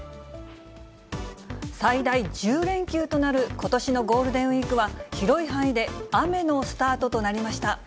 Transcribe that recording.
最大１０連休となることしのゴールデンウィークは、広い範囲で雨のスタートとなりました。